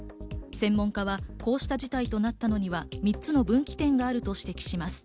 専門家はこうした事態となったのには３つの分岐点があると指摘します。